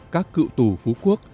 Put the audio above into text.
các cựu tù phú quốc